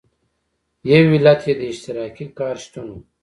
یو علت یې د اشتراکي کار شتون و.